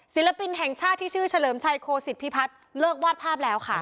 ศิลปินแห่งชาติที่ชื่อเฉลิมชัยโคศิษฐพิพัฒน์เลิกวาดภาพแล้วค่ะ